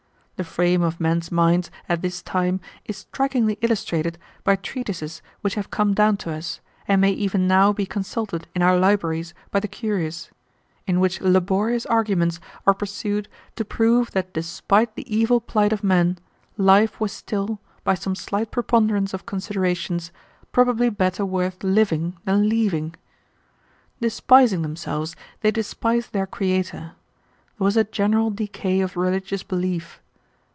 The frame of men's minds at this time is strikingly illustrated by treatises which have come down to us, and may even now be consulted in our libraries by the curious, in which laborious arguments are pursued to prove that despite the evil plight of men, life was still, by some slight preponderance of considerations, probably better worth living than leaving. Despising themselves, they despised their Creator. There was a general decay of religious belief.